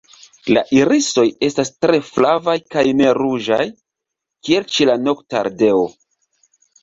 La irisoj estas tre flavaj kaj ne ruĝaj, kiel ĉe la Noktardeo.